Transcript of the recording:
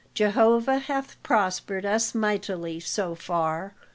Jehovah hath prospered us mightily so far.